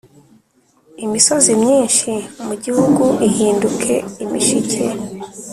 imisozi myinshi mu gihugu ihinduke imishike.